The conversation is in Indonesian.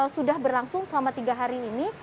sudah berlangsung selama tiga hari ini